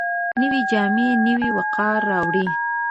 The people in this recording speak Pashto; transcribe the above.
نوې جامې نوی وقار راوړي